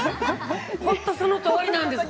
本当にそのとおりなんですよ。